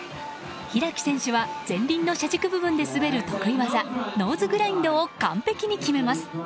開選手は前輪の車軸部分で滑る得意技ノーズグラインドを完璧に決めます。